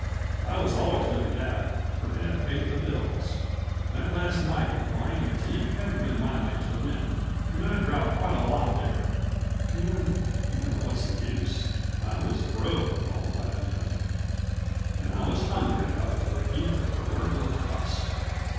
I was always doing that, for dad paid the bills. That last night with Barney MacTague hadn't been my night to win, and I'd dropped quite a lot there. And oh, what's the use? I was broke, all right enough, and I was hungry enough to eat the proverbial crust.